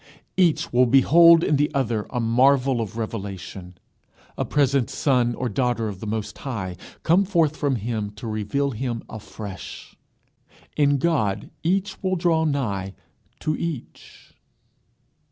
Each will behold in the other a marvel of revelation, a present son or daughter of the Most High, come forth from him to reveal him afresh. In God each will draw nigh to each.